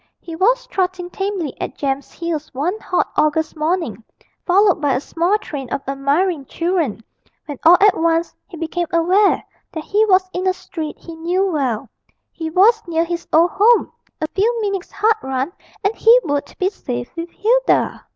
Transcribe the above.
He was trotting tamely at Jem's heels one hot August morning, followed by a small train of admiring children, when all at once he became aware that he was in a street he knew well he was near his old home a few minutes' hard run and he would be safe with Hilda!